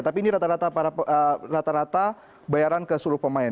tapi ini rata rata bayaran ke seluruh pemain